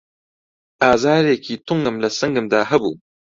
ئازارێکی توندم له سنگمدا هەبوو